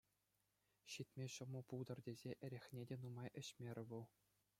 Ҫитме ҫӑмӑл пултӑр тесе эрехне те нумай ӗҫмерӗ вӑл.